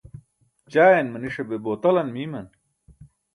ćaayan maniṣa be botalan miiman?